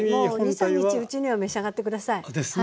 ２３日のうちには召し上がって下さい。ですね。